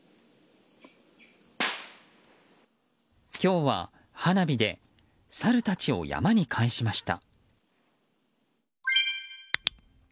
今日は花火でサルたちを山に帰しました。